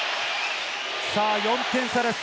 ４点差です。